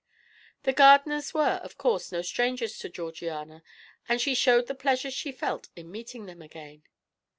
The Gardiners were, of course, no strangers to Georgiana, and she showed the pleasure she felt in meeting them again.